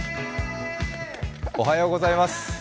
おはようございます。